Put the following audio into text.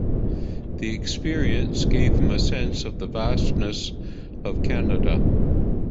The experience gave him a sense of the vastness of Canada.